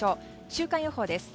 週間予報です。